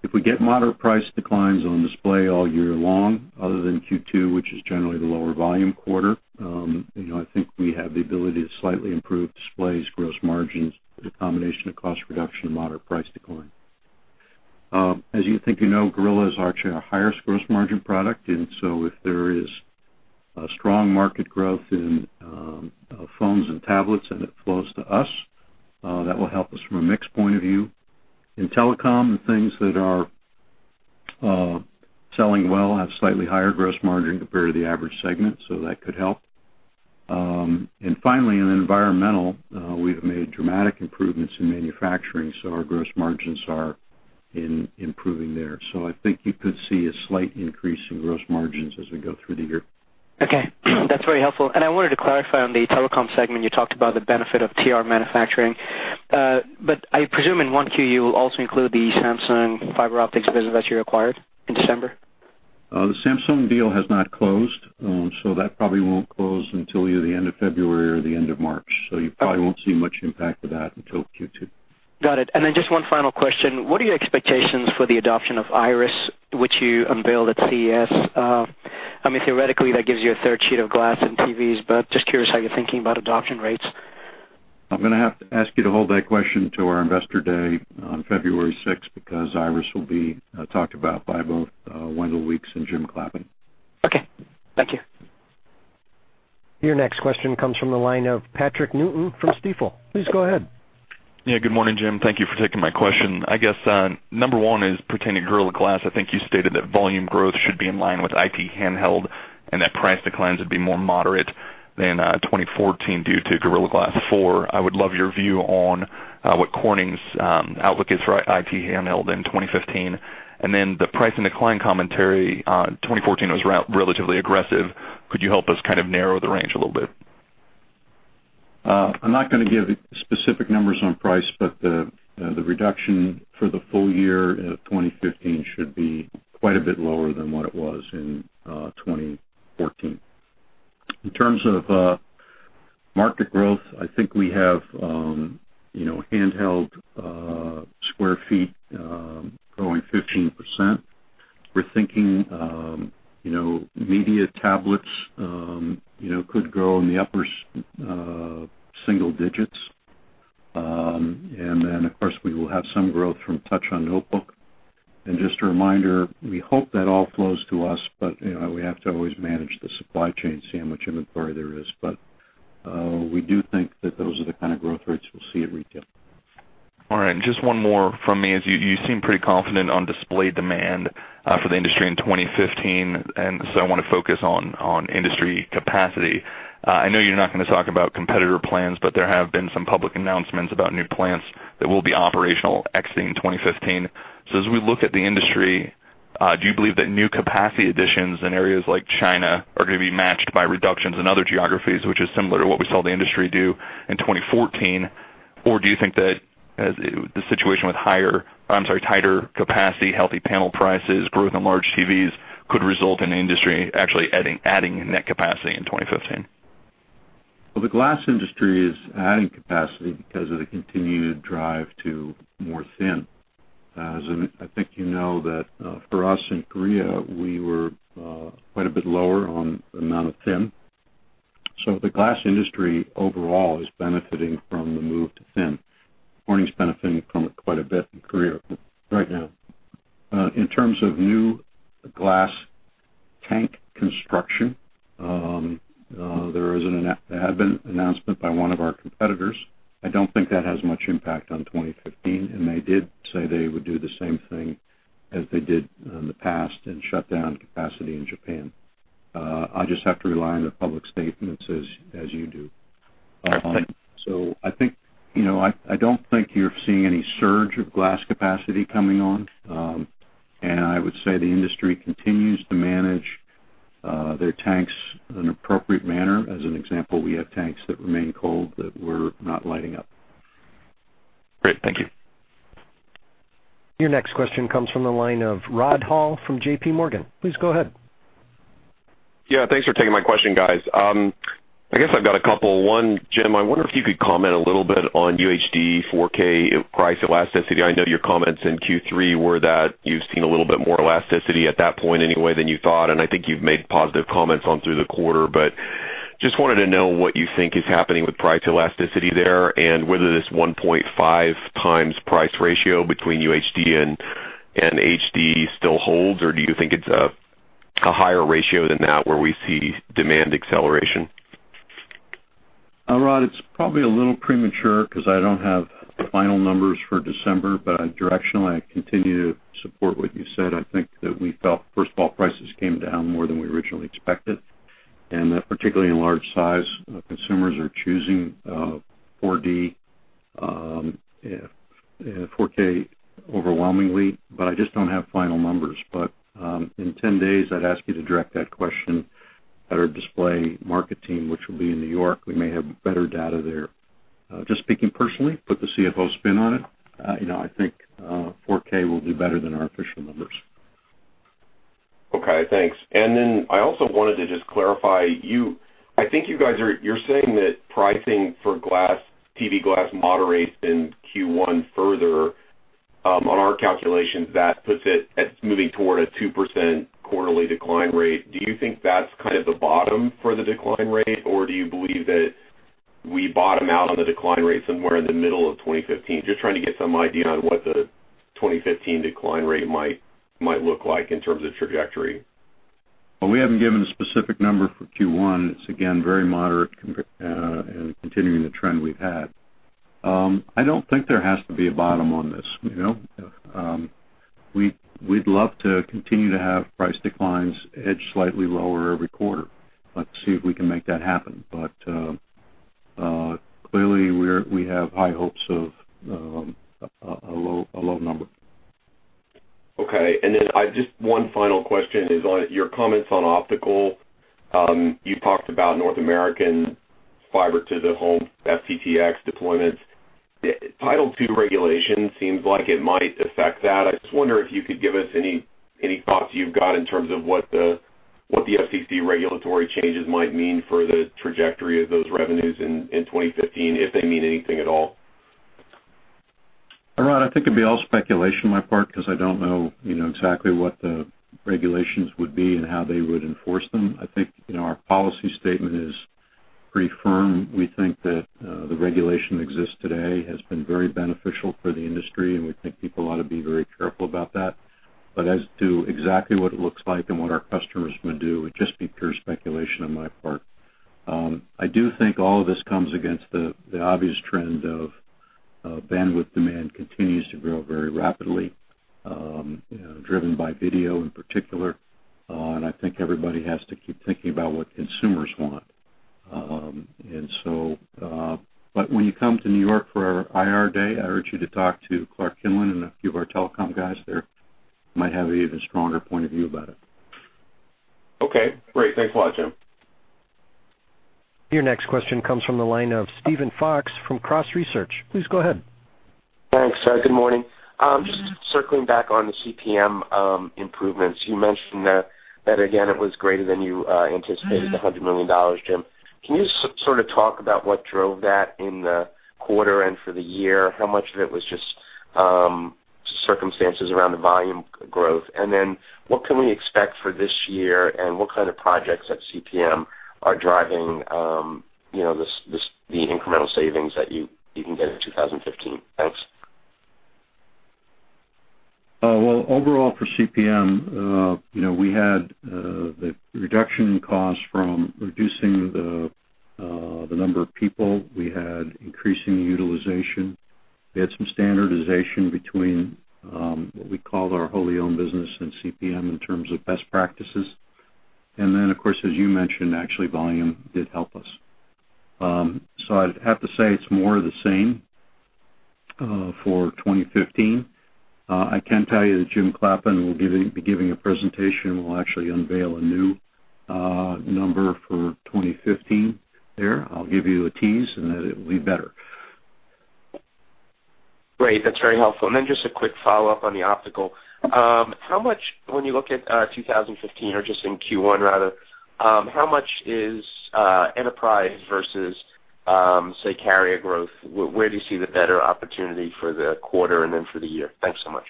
If we get moderate price declines on Display all year long, other than Q2, which is generally the lower volume quarter, I think we have the ability to slightly improve Display's gross margins through the combination of cost reduction and moderate price decline. As I think you know, Gorilla is actually our highest gross margin product. If there is a strong market growth in phones and tablets and it flows to us, that will help us from a mix point of view. In telecom and things that are Selling well have slightly higher gross margin compared to the average segment, so that could help. Finally, in Environmental, we've made dramatic improvements in manufacturing, so our gross margins are improving there. I think you could see a slight increase in gross margins as we go through the year. Okay. That's very helpful. I wanted to clarify on the telecom segment, you talked about the benefit of TR manufacturing. I presume in one Q, you will also include the Samsung Fiber Optics business that you acquired in December? The Samsung deal has not closed, that probably won't close until either the end of February or the end of March. You probably won't see much impact of that until Q2. Got it. Just one final question. What are your expectations for the adoption of Iris, which you unveiled at CES? Theoretically, that gives you a third sheet of glass and TVs, just curious how you're thinking about adoption rates. I'm going to have to ask you to hold that question to our investor day on February 6th, because Iris will be talked about by both Wendell Weeks and Jim Clappin. Okay. Thank you. Your next question comes from the line of Patrick Newton from Stifel. Please go ahead. Yeah, good morning, Jim. Thank you for taking my question. I guess, number one is pertaining Gorilla Glass. I think you stated that volume growth should be in line with IT handheld and that price declines would be more moderate than 2014 due to Gorilla Glass 4. I would love your view on what Corning's outlook is for IT handheld in 2015. Then the price and decline commentary, 2014 was relatively aggressive. Could you help us kind of narrow the range a little bit? I'm not going to give specific numbers on price, but the reduction for the full year of 2015 should be quite a bit lower than what it was in 2014. In terms of market growth, I think we have handheld square feet growing 15%. We're thinking media tablets could grow in the upper single digits. Of course, we will have some growth from touch on notebook. Just a reminder, we hope that all flows to us, but we have to always manage the supply chain, see how much inventory there is. We do think that those are the kind of growth rates we'll see at retail. All right. Just one more from me is, you seem pretty confident on display demand for the industry in 2015. I want to focus on industry capacity. I know you're not going to talk about competitor plans, but there have been some public announcements about new plants that will be operational exiting 2015. As we look at the industry, do you believe that new capacity additions in areas like China are going to be matched by reductions in other geographies, which is similar to what we saw the industry do in 2014? Or do you think that the situation with tighter capacity, healthy panel prices, growth in large TVs, could result in the industry actually adding net capacity in 2015? The glass industry is adding capacity because of the continued drive to more thin. I think you know that for us in Korea, we were quite a bit lower on amount of thin. The glass industry overall is benefiting from the move to thin. Corning's benefiting from it quite a bit in Korea right now. In terms of new glass tank construction, there had been an announcement by one of our competitors. I don't think that has much impact on 2015. They did say they would do the same thing as they did in the past and shut down capacity in Japan. I just have to rely on the public statements as you do. Okay. I don't think you're seeing any surge of glass capacity coming on. I would say the industry continues to manage their tanks in an appropriate manner. As an example, we have tanks that remain cold that we're not lighting up. Great. Thank you. Your next question comes from the line of Rod Hall from JPMorgan. Please go ahead. Yeah, thanks for taking my question, guys. I guess I've got a couple. One, Jim, I wonder if you could comment a little bit on UHD 4K price elasticity. I know your comments in Q3 were that you've seen a little bit more elasticity at that point anyway than you thought, and I think you've made positive comments on through the quarter. Just wanted to know what you think is happening with price elasticity there and whether this 1.5 times price ratio between UHD and HD still holds, or do you think it's a higher ratio than that where we see demand acceleration? Rod, it's probably a little premature because I don't have final numbers for December. Directionally, I continue to support what you said. I think that we felt, first of all, prices came down more than we originally expected, particularly in large size, consumers are choosing 4K overwhelmingly. I just don't have final numbers. In 10 days, I'd ask you to direct that question at our display market team, which will be in New York. We may have better data there. Just speaking personally, put the CFO spin on it, I think 4K will do better than our official numbers. Okay, thanks. I also wanted to just clarify, I think you guys are saying that pricing for TV glass moderates in Q1 further. On our calculations, that puts it at moving toward a 2% quarterly decline rate. Do you think that's kind of the bottom for the decline rate, or do you believe that we bottom out on the decline rate somewhere in the middle of 2015? Just trying to get some idea on what the 2015 decline rate might look like in terms of trajectory. Well, we haven't given a specific number for Q1. It's, again, very moderate and continuing the trend we've had. I don't think there has to be a bottom on this. We'd love to continue to have price declines edge slightly lower every quarter. Let's see if we can make that happen. Clearly, we have high hopes of a low number. Okay. Just one final question is on your comments on Optical Communications. You talked about North American FTTX deployments. Title II regulation seems like it might affect that. I just wonder if you could give us any thoughts you've got in terms of what the FCC regulatory changes might mean for the trajectory of those revenues in 2015, if they mean anything at all. Rod, I think it'd be all speculation on my part because I don't know exactly what the regulations would be and how they would enforce them. I think our policy statement is pretty firm. We think that the regulation that exists today has been very beneficial for the industry, and we think people ought to be very careful about that. As to exactly what it looks like and what our customers would do, it'd just be pure speculation on my part. I do think all of this comes against the obvious trend of bandwidth demand continues to grow very rapidly, driven by video in particular. I think everybody has to keep thinking about what consumers want. When you come to New York for our IR day, I urge you to talk to Clark Kinlin and a few of our telecom guys there, who might have an even stronger point of view about it. Okay, great. Thanks a lot, Jim. Your next question comes from the line of Steven Fox from Cross Research. Please go ahead. Thanks. Good morning. Just circling back on the CPM improvements. You mentioned that again, it was greater than you anticipated, the $100 million, Jim. Can you sort of talk about what drove that in the quarter and for the year? What can we expect for this year, and what kind of projects at CPM are driving the incremental savings that you can get in 2015? Thanks. Overall for CPM, we had the reduction in cost from reducing the number of people. We had increasing utilization. We had some standardization between what we call our wholly owned business and CPM in terms of best practices. Then, of course, as you mentioned, actually volume did help us. I'd have to say it's more of the same for 2015. I can tell you that Jim Clappin will be giving a presentation, and we'll actually unveil a new number for 2015 there. I'll give you a tease in that it will be better. Great. That's very helpful. Then just a quick follow-up on the optical. When you look at 2015 or just in Q1 rather, how much is enterprise versus, say, carrier growth? Where do you see the better opportunity for the quarter and then for the year? Thanks so much.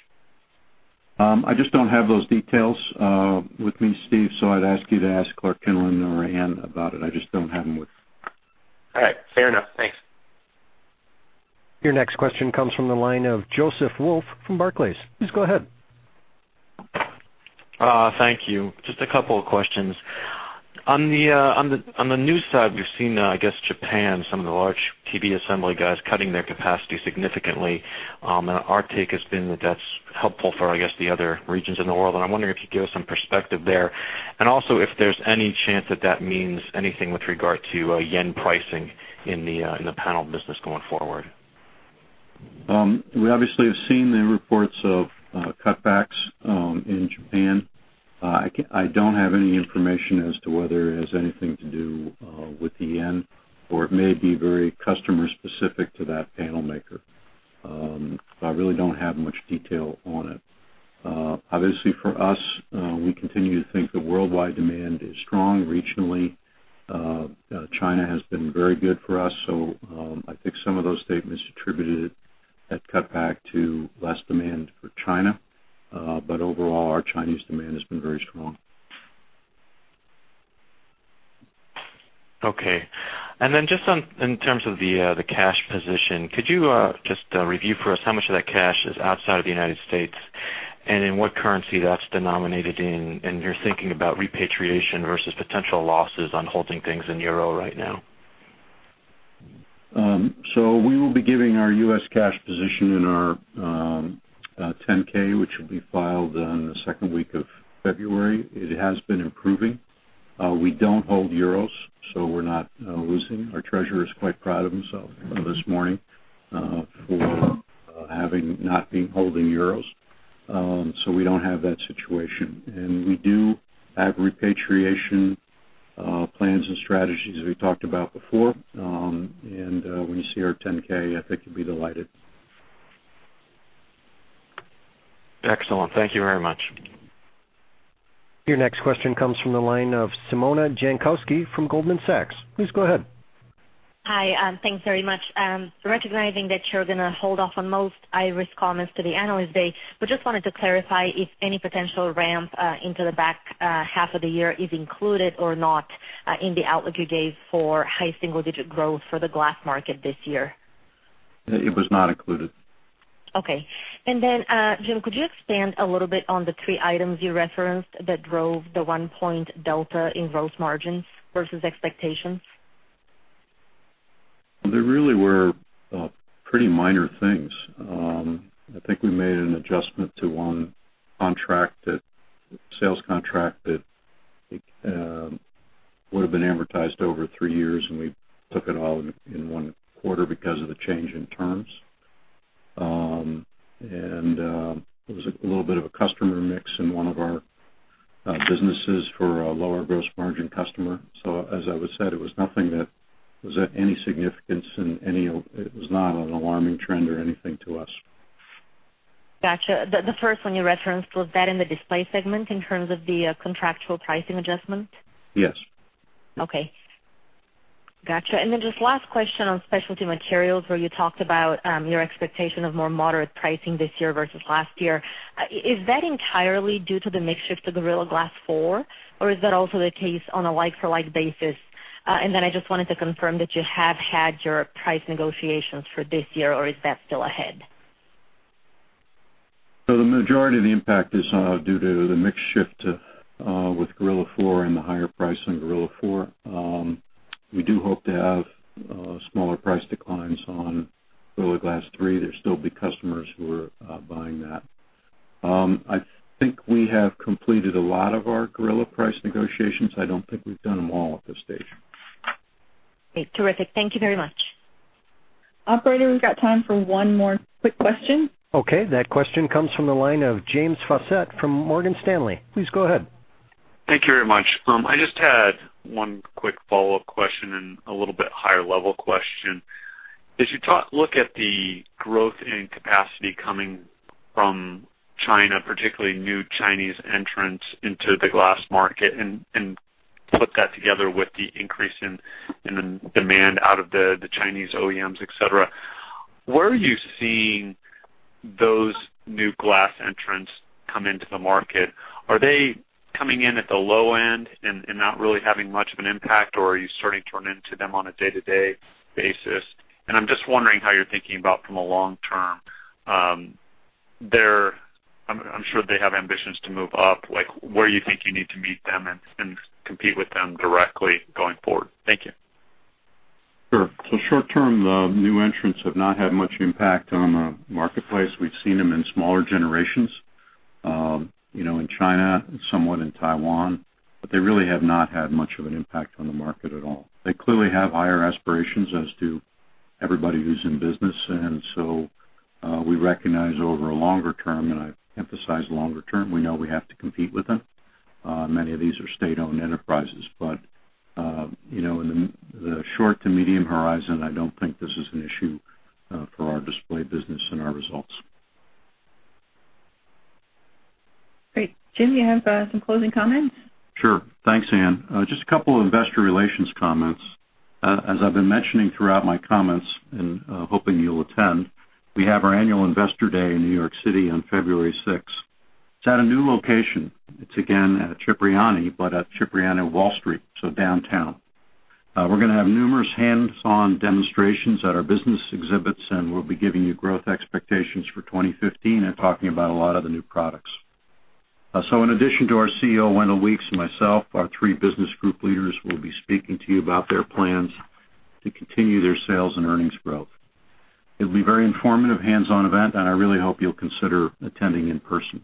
I just don't have those details with me, Stephen, so I'd ask you to ask Clark Kinlin or Ann about it. I just don't have them with me. All right. Fair enough. Thanks. Your next question comes from the line of Joseph Wolf from Barclays. Please go ahead. Thank you. Just a couple of questions. On the new side, we've seen, I guess, Japan, some of the large TV assembly guys cutting their capacity significantly. Our take has been that that's helpful for, I guess, the other regions in the world, I'm wondering if you could give us some perspective there. Also, if there's any chance that that means anything with regard to JPY pricing in the panel business going forward. We obviously have seen the reports of cutbacks in Japan. I don't have any information as to whether it has anything to do with the JPY, or it may be very customer specific to that panel maker. I really don't have much detail on it. Obviously, for us, we continue to think the worldwide demand is strong regionally. China has been very good for us, so I think some of those statements attributed that cutback to less demand for China. Overall, our Chinese demand has been very strong. Okay. Just in terms of the cash position, could you just review for us how much of that cash is outside of the United States and in what currency that's denominated in, and you're thinking about repatriation versus potential losses on holding things in EUR right now? We will be giving our U.S. cash position in our 10-K, which will be filed in the second week of February. It has been improving. We don't hold euros, so we're not losing. Our treasurer is quite proud of himself this morning for not holding euros. We don't have that situation. We do have repatriation plans and strategies we've talked about before. When you see our 10-K, I think you'll be delighted. Excellent. Thank you very much. Your next question comes from the line of Simona Jankowski from Goldman Sachs. Please go ahead. Hi. Thanks very much. Recognizing that you're going to hold off on most Iris comments to the Analyst Day, just wanted to clarify if any potential ramp into the back half of the year is included or not in the outlook you gave for high single-digit growth for the glass market this year. It was not included. Okay. Jim, could you expand a little bit on the three items you referenced that drove the one point delta in gross margins versus expectations? They really were pretty minor things. I think we made an adjustment to one sales contract that would have been amortized over three years, we took it all in one quarter because of the change in terms. There was a little bit of a customer mix in one of our businesses for a lower gross margin customer. As I said, it was nothing that was of any significance, it was not an alarming trend or anything to us. Got you. The first one you referenced, was that in the Display Technologies segment in terms of the contractual pricing adjustment? Yes. Okay. Got you. Just last question on Specialty Materials, where you talked about your expectation of more moderate pricing this year versus last year. Is that entirely due to the mix shift to Gorilla Glass 4, or is that also the case on a like-for-like basis? I just wanted to confirm that you have had your price negotiations for this year, or is that still ahead? The majority of the impact is due to the mix shift with Gorilla 4 and the higher price on Gorilla 4. We do hope to have smaller price declines on Gorilla Glass 3. There's still big customers who are buying that. I think we have completed a lot of our Gorilla price negotiations. I don't think we've done them all at this stage. Great. Terrific. Thank you very much. Operator, we've got time for one more quick question. Okay, that question comes from the line of James Faucette from Morgan Stanley. Please go ahead. Thank you very much. I just had one quick follow-up question and a little bit higher level question. As you look at the growth in capacity coming from China, particularly new Chinese entrants into the glass market, and put that together with the increase in the demand out of the Chinese OEMs, et cetera, where are you seeing those new glass entrants come into the market? Are they coming in at the low end and not really having much of an impact, or are you starting to run into them on a day-to-day basis? I'm just wondering how you're thinking about from a long term. I'm sure they have ambitions to move up, where you think you need to meet them and compete with them directly going forward? Thank you. Sure. Short term, the new entrants have not had much impact on the marketplace. We've seen them in smaller generations, in China and somewhat in Taiwan, but they really have not had much of an impact on the market at all. They clearly have higher aspirations as to everybody who's in business. We recognize over a longer term, and I emphasize longer term, we know we have to compete with them. Many of these are state-owned enterprises, in the short to medium horizon, I don't think this is an issue for our display business and our results. Great. Jim, do you have some closing comments? Sure. Thanks, Ann. Just a couple of investor relations comments. As I've been mentioning throughout my comments and hoping you'll attend, we have our annual investor day in New York City on February 6th. It's at a new location. It's again at Cipriani, but at Cipriani Wall Street, so downtown. We're going to have numerous hands-on demonstrations at our business exhibits, and we'll be giving you growth expectations for 2015 and talking about a lot of the new products. In addition to our CEO, Wendell Weeks, and myself, our three business group leaders will be speaking to you about their plans to continue their sales and earnings growth. It'll be very informative hands-on event, and I really hope you'll consider attending in person.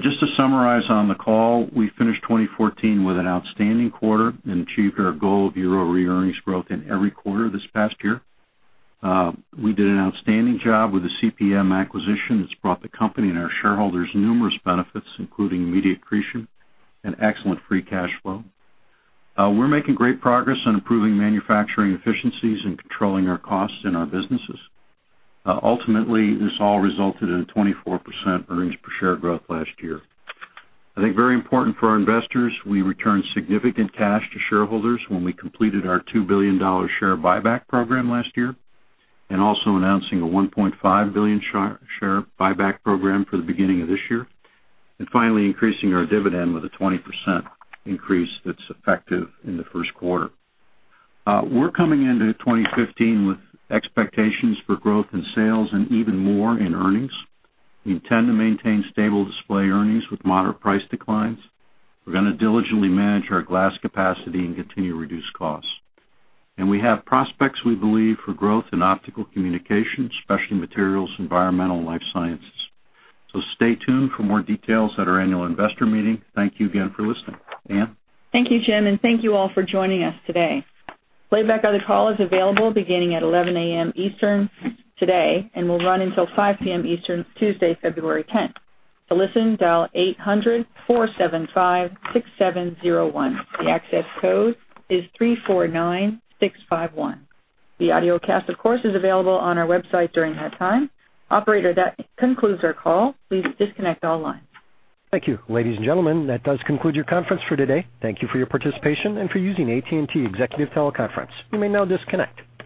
Just to summarize on the call, we finished 2014 with an outstanding quarter and achieved our goal of year-over-year earnings growth in every quarter this past year. We did an outstanding job with the CPM acquisition that's brought the company and our shareholders numerous benefits, including immediate accretion and excellent free cash flow. We're making great progress on improving manufacturing efficiencies and controlling our costs in our businesses. Ultimately, this all resulted in a 24% earnings per share growth last year. I think very important for our investors, we returned significant cash to shareholders when we completed our $2 billion share buyback program last year, also announcing a $1.5 billion share buyback program for the beginning of this year. Finally, increasing our dividend with a 20% increase that's effective in the first quarter. We're coming into 2015 with expectations for growth in sales and even more in earnings. We intend to maintain stable display earnings with moderate price declines. We're going to diligently manage our glass capacity and continue to reduce costs. We have prospects we believe for growth in Optical Communications, Specialty Materials, Environmental Technologies, and Life Sciences. Stay tuned for more details at our annual investor meeting. Thank you again for listening. Ann? Thank you, Jim, and thank you all for joining us today. Playback of the call is available beginning at 11:00 A.M. Eastern today and will run until 5:00 P.M. Eastern, Tuesday, February 10th. To listen, dial 800-475-6701. The access code is 349651. The audiocast, of course, is available on our website during that time. Operator, that concludes our call. Please disconnect all lines. Thank you. Ladies and gentlemen, that does conclude your conference for today. Thank you for your participation and for using AT&T TeleConference Services. You may now disconnect.